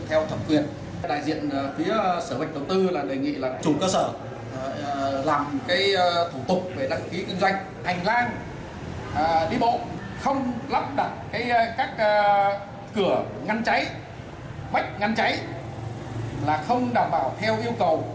theo thẩm quyền đại diện phía sở bệnh đầu tư là đề nghị là chủ cơ sở làm thủ tục về đăng ký kinh doanh hành lang đi bộ không lắp đặt các cửa ngăn cháy bách ngăn cháy là không đảm bảo theo yêu cầu